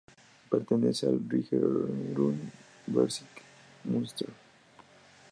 Pertenece al Regierungsbezirk Münster.